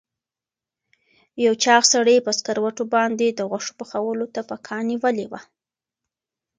یو چاغ سړي په سکروټو باندې د غوښو پخولو ته پکه نیولې وه.